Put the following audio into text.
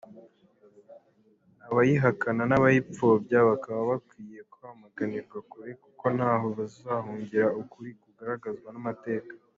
Abayihakana n’abayipfobya bakaba bakwiye kwamaganirwa kure, kuko ntaho bazahungira ukuri kugaragazwa n’amateka.